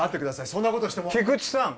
そんなことをしても菊知さん